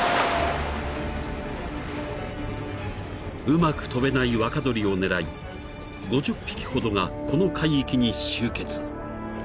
［うまく飛べない若鳥を狙い５０匹ほどがこの海域に集結］